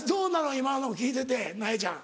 今の聞いててなえちゃん。